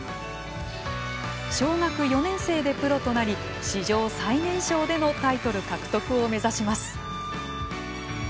小学４年生でプロとなり史上最年少でのタイトル獲得を目指します。